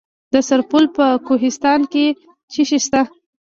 د سرپل په کوهستان کې څه شی شته؟